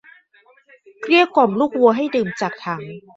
เกลี้ยกล่อมลูกวัวให้ดื่มจากถัง